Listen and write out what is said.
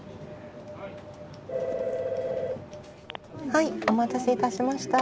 ☎はいお待たせいたしました。